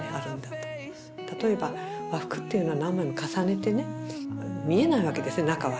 例えば和服っていうのは何枚も重ねてね見えないわけですね中は。